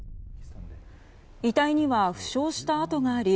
遺体には負傷した痕があり